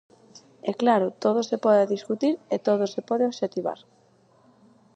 E claro, todo se pode discutir e todo se pode obxectivar.